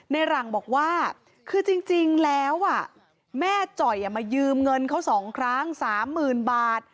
ในหลังบอกว่าคือจริงจริงแล้วแม่จ่อยมายืมเงินเขาสองครั้งสามหมื่นบาท